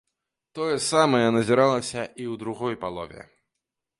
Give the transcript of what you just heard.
Тое самае назіралася і ў другой палове.